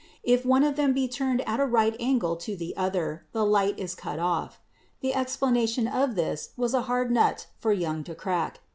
If one of them be turned at a right angle to the other the light is cut off. The explanation of this was a hard nut for Young to crack.